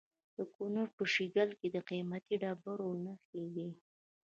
د کونړ په شیګل کې د قیمتي ډبرو نښې دي.